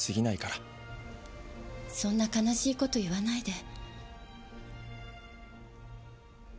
そんな悲しい事言わないで。